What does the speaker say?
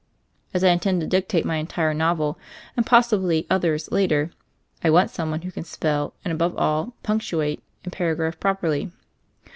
As I intend to dictate my entire novel — and possibly others later — I want some one who can spell and, above all, punctuate and paragraph properly."